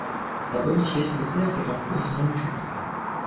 La bonification des terres est en cours à son embouchure.